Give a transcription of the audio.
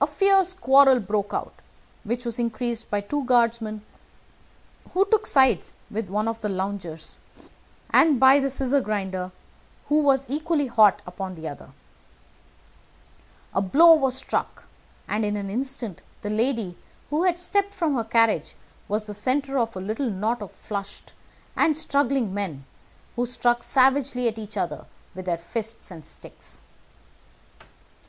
A fierce quarrel broke out which was increased by the two guardsmen, who took sides with one of the loungers, and by the scissors grinder, who was equally hot upon the other side. A blow was struck, and in an instant the lady, who had stepped from her carriage, was the centre of a little knot of struggling men who struck savagely at each other with their fists and sticks.